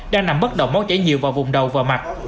đang nằm bất động móc chảy nhiều vào vùng đầu và mặt